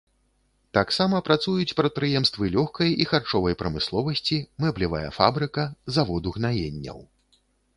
Таксама працуюць прадпрыемствы лёгкай і харчовай прамысловасці, мэблевая фабрыка, завод угнаенняў.